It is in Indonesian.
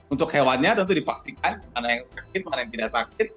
untuk hewannya tentu dipastikan mana yang sakit mana yang tidak sakit